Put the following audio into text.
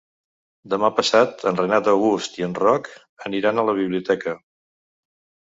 Demà passat en Renat August i en Roc aniran a la biblioteca.